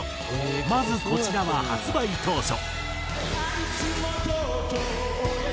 まずこちらは発売当初。